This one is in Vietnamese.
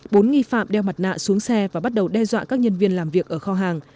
bốn nghi phạm đeo mặt nạ xuống xe và bắt đầu đe dọa các nhân viên làm việc ở kho hàng